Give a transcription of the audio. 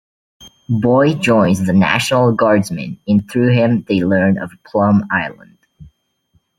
Boy joins the National Guardsmen and through him they learn of Plum Island.